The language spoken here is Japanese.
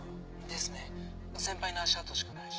ですね先輩の足跡しかないし。